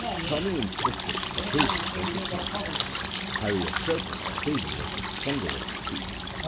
Tommy insisted that his was the sharper, Harry asserted that his was the stronger of the two.